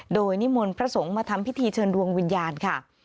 โดยนิมนต์พระสงฆ์มาทำพิธีเชิญดวงวิญญาณค่ะ